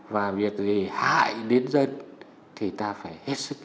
và việc gì hại đến dân thì ta phải hết sức